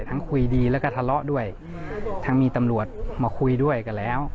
คุยดีแล้วก็ทะเลาะด้วยทั้งมีตำรวจมาคุยด้วยกันแล้ว